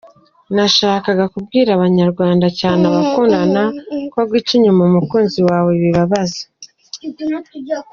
Nashakaga kubwira abanyarwanda cyane abakundana ko guca inyuma umukunzi wawe bibabaza.